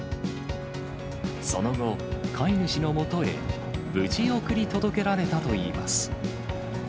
その後、飼い主のもとへ、無事送り届けられたといいます。